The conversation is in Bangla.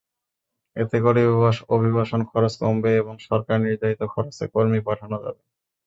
এতে করে অভিবাসন খরচ কমবে এবং সরকারনির্ধারিত খরচে কর্মী পাঠানো যাবে।